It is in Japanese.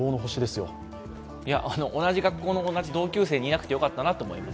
同じ学校の同級生にいなくてよかったなと思います。